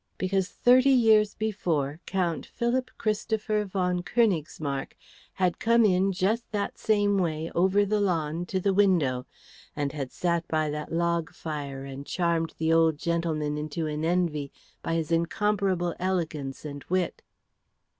Because thirty years before Count Philip Christopher von Königsmarck had come in just that same way over the lawn to the window, and had sat by that log fire and charmed the old gentleman into an envy by his incomparable elegance and wit."